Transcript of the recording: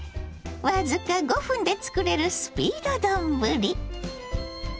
僅か５分で作れるスピード丼。